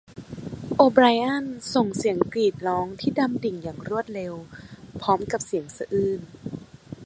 โอไบรอันส่งเสียงกรีดร้องที่ดำดิ่งอย่างรวดเร็วพร้อมกับเสียงสะอื้น